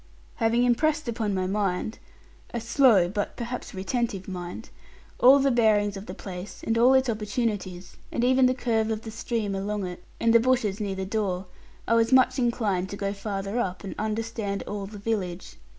Having impressed upon my mind (a slow but, perhaps retentive mind), all the bearings of the place, and all its opportunities, and even the curve of the stream along it, and the bushes near the door, I was much inclined to go farther up, and understand all the village.